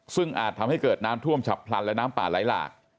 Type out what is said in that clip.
ซึ่งอาจทำให้เกิดน้ำท่วมฉับพลันและน้ำป่าไหลหลาก